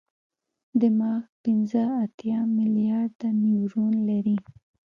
دماغ پنځه اتیا ملیارده نیورون لري.